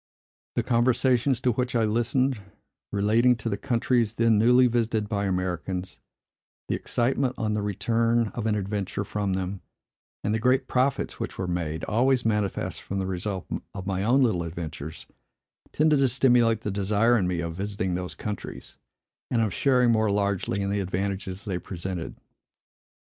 The conversations, to which I listened, relating to the countries then newly visited by Americans, the excitement on the return of an adventure from them, and the great profits which were made, always manifest from the result of my own little adventures, tended to stimulate the desire in me of visiting those countries, and of sharing more largely in the advantages they presented.